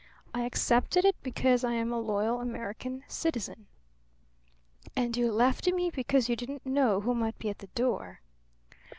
I accepted it because I am a loyal American citizen." "And you left me because you' didn't know who might be at the door!"